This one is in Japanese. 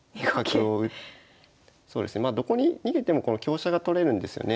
そうですねまあどこに逃げてもこの香車が取れるんですよね。